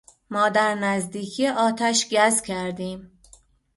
ما در نزدیکی آتش کز کردیم.